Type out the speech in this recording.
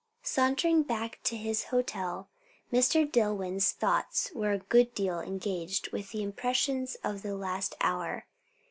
Sauntering back to his hotel, Mr. Dillwyn's thoughts were a good deal engaged with the impressions of the last hour.